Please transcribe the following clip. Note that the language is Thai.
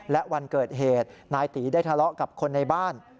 และวันเกิดเหตุนายตีได้ทะเลาะกับคนในบ้าน